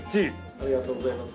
ありがとうございます。